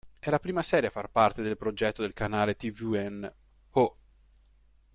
È la prima serie a far parte del progetto del canale tvN "Oh!